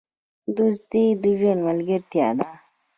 دوستي د ژوند ملګرتیا ده.